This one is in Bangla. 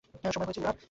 সময় হয়েছে উড়ার!